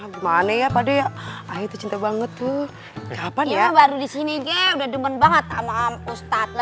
gimana ya pada ya itu cinta banget tuh kapan ya baru disini udah demen banget sama ustadz